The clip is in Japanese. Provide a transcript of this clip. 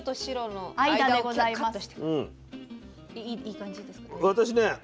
いい感じですかね。